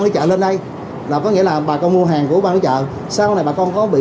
quản lý chợ lên đây là có nghĩa là bà con mua hàng của ban quản lý chợ sau này bà con có bị